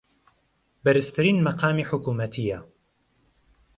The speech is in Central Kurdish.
بەرزترین مەقامی حکوومەتییە